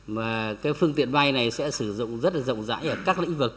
mà cái phương tiện bay này sẽ sử dụng rất là rộng rãi ở các lĩnh vực